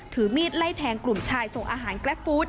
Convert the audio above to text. ถือมีดไล่แทงกลุ่มชายส่งอาหารแกรปฟู้ด